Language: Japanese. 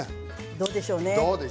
どうでしょうね。